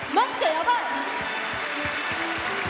やばい！